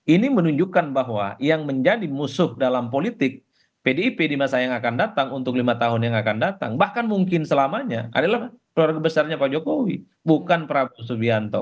ini menunjukkan bahwa yang menjadi musuh dalam politik pdip di masa yang akan datang untuk lima tahun yang akan datang bahkan mungkin selamanya adalah keluarga besarnya pak jokowi bukan prabowo subianto